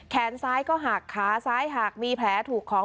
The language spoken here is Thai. แขนซ้ายก็หักขาซ้ายหักมีแผลถูกของ